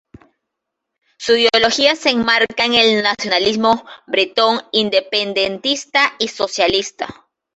Su ideología se enmarca en el nacionalismo bretón independentista y socialista.